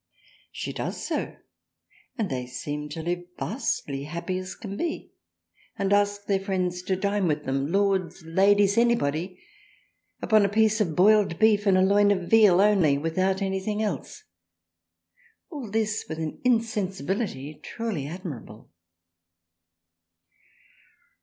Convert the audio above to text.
She does so, and they seem to live vastly happy as can be, and ask their friends to dine writh them, Lords, Ladies, anybody, upon a piece of boiled Beef and a Loin of Veal only without anything else, all this with an insensibility truly admirable.